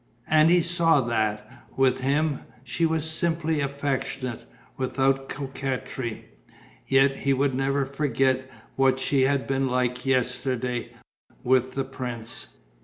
And he saw that, with him, she was simply affectionate, without coquetry. Yet he would never forget what she had been like yesterday, with the prince.